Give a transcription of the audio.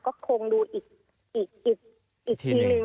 ก็คงดูอีกทีนึง